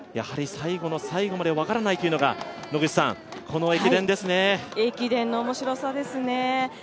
最後の最後まで分からないというのが駅伝の面白さですね